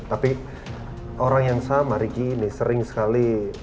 tapi orang yang sama ricky ini sering sekali